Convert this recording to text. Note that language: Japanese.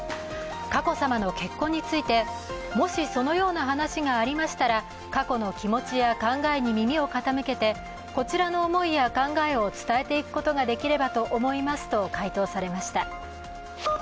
佳子さまの結婚について、もしそのような話がありましたら佳子の気持ちや考えに耳を傾けてこちらの思いや考えを伝えていくことができればと思いますと回答されました。